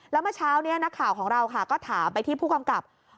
แล้วเมื่อเช้านี้นักข่าวของเราค่ะก็ถามไปที่ผู้กำกับ